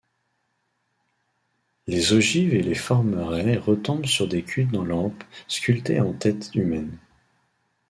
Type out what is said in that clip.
Les ogives et les formerets retombent sur des culs-de-lampe sculptés en têtes humaines.